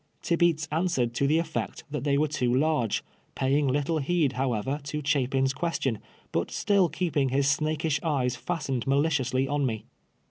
Tibeats answered to the effect that they were too large, paving little heed, however, to Chapin's ques tion, but still keeping his snakish eves fastened mali ciously on me.